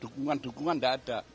dukungan dukungan gak ada